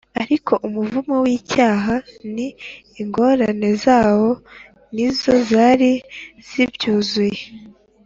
. Ariko umuvumo w’icyaha, n’ingorane zawo, nizo zari zibwuzuye